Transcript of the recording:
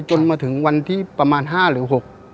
จนมาถึงวันที่ประมาณ๕หรือ๖